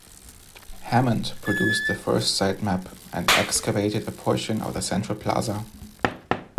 Hammond produced the first site map and excavated a portion of the central plaza.